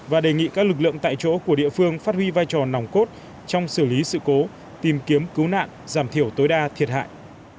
và đề nghị các lực lượng tại chỗ của địa phương phát huy vai trò nòng cốt trong xử lý sự cố tìm kiếm cứu nạn giảm thiểu tối đa thiệt hại